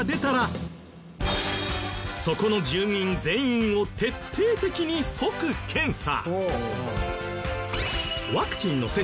そこの住民全員を徹底的に即検査。